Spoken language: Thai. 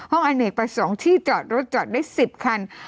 ห้องอเนกไป๒ที่จอดรถจอดได้๑๐คัน